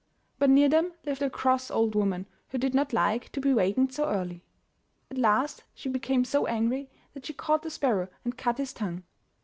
But near them lived a cross old woman who did not like to be wakened so early. At last she became so angry that she caught the sparrow and cut his tongue.